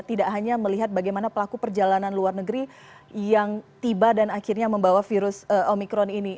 tidak hanya melihat bagaimana pelaku perjalanan luar negeri yang tiba dan akhirnya membawa virus omikron ini